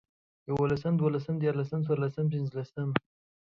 يوولسم، دوولسم، ديارلسم، څلورلسم، پنځلسم